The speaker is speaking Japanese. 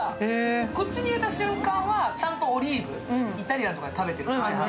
口に入れた瞬間はちゃんとオリーブ、イタリアンとかで食べてる感じ。